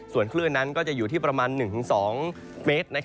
ส่วนคลื่นนั้นก็จะอยู่ที่ประมาณ๑๒เมตร